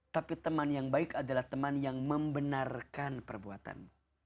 tapi teman yang baik adalah teman yang membenarkan perbuatanmu